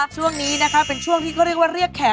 ช่วงนี้เป็นช่วงที่เขาเรียกว่าเรียกแขก